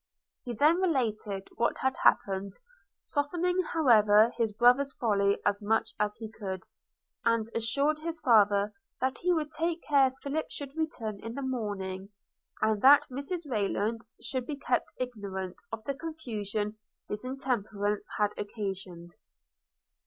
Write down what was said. He then related what had happened, softening however his brother's folly as much as he could; and assured his father that he would take care Philip should return in the morning, and that Mrs Rayland should be kept ignorant of the confusion his intemperance had occasioned.